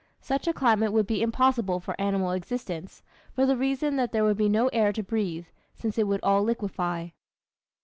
Such a climate would be impossible for animal existence, for the reason that there would be no air to breathe, since it would all liquefy.